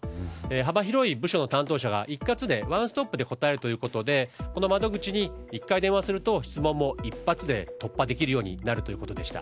幅広い部署の担当者が一括で、ワンストップで答えるということでこの窓口に１回、電話すると質問も一発で突破できるようになるということでした。